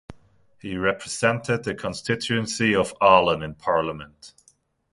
He represented the constituency of Aalen in parliament.